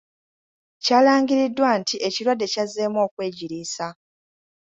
Kyalangiriddwa nti ekirwadde kyazzeemu okwegiriisa.